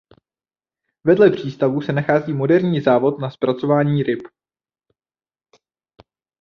Vedle přístavu se nachází moderní závod na zpracování ryb.